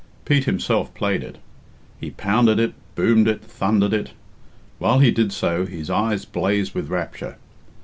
Pete himself played it. He pounded it, boomed it, thundered it. While he did so, his eyes blazed with rapture.